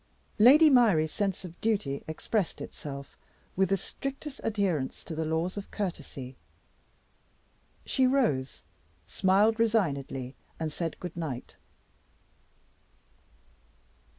Lady Myrie's sense of duty expressed itself, with the strictest adherence to the laws of courtesy. She rose, smiled resignedly, and said, "Good night."